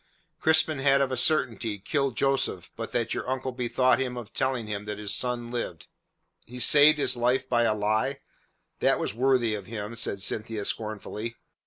"Crispin had of a certainty killed Joseph but that your uncle bethought him of telling him that his son lived." "He saved his life by a lie! That was worthy of him," said Cynthia scornfully.